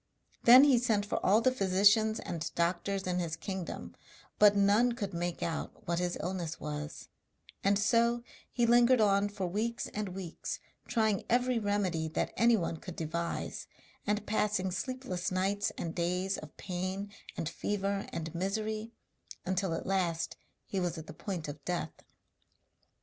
Then he sent for all the physicians and doctors in his kingdom, but none could make out what his illness was; and so he lingered on for weeks and weeks trying every remedy that anyone could devise, and passing sleepless nights and days of pain and fever and misery, until at last he was at the point of death.